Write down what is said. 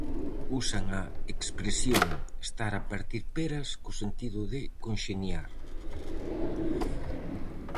Usan a expresión "estar a partir peras" co sentido de 'conxeniar'.